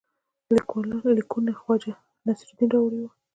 لیکونه خواجه نصیرالدین راوړي وه.